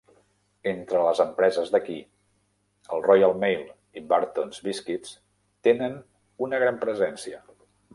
Entre les empreses d'aquí, el Royal Mail i Burtons Biscuits tenen una gran presència.